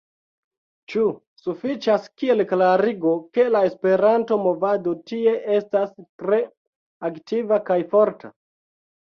Ĉu sufiĉas kiel klarigo, ke la Esperanto-movado tie estas tre aktiva kaj forta?